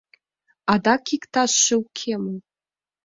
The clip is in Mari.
Адак иктажше уке мо?